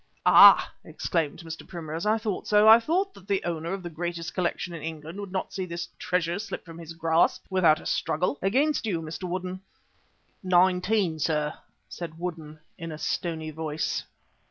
"Ah!" exclaimed Mr. Primrose, "I thought so. I thought that the owner of the greatest collection in England would not see this treasure slip from his grasp without a struggle. Against you, Mr. Woodden." "Nineteen, sir," said Woodden in a stony voice.